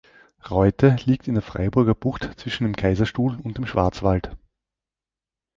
Reute liegt in der Freiburger Bucht zwischen dem Kaiserstuhl und dem Schwarzwald.